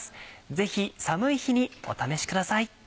ぜひ寒い日にお試しください。